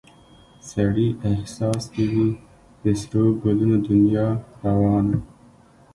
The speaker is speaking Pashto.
سړي احساس کې وي د سرو ګلو دنیا روانه